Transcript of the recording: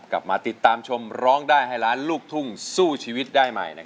กลับมาติดตามชมร้องได้ให้ล้านลูกทุ่งสู้ชีวิตได้ใหม่